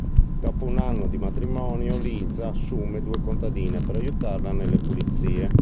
Dopo un anno di matrimonio, Liza assume due contadine per aiutarla nelle pulizie.